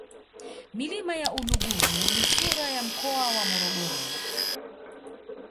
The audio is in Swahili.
milima ya uluguru ni sura ya mkoa wa morogoro